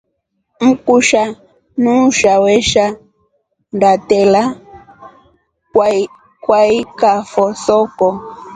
Mkusha nuusha wesha ndatela kwaikafo soko.